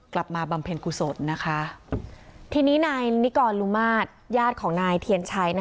บำเพ็ญกุศลนะคะทีนี้นายนิกรลุมาตรญาติของนายเทียนชัย